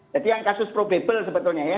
jadi yang kasus probable sebetulnya ya